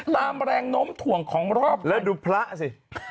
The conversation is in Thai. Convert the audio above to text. ตามแรงโน้มถ่วงของรอบแล้วดูพระสิ